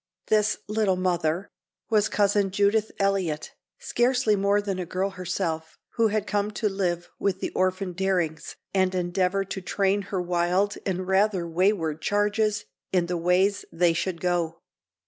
This "Little Mother" was Cousin Judith Eliot, scarcely more than a girl herself, who had come to live with the orphaned Darings and endeavor to train her wild and rather wayward charges in the ways they should go.